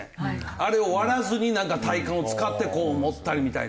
あれを割らずになんか体幹を使ってこう持ったりみたいな。